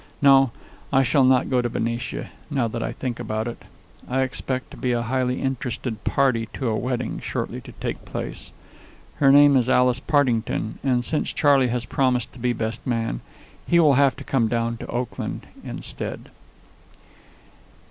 No; I shall not go to Benicia, now that I think about it. I expect to be a highly interested party to a wedding, shortly to take place. Her name is Alice Partington, and, since Charley has promised to be best man, he will have to come down to Oakland instead.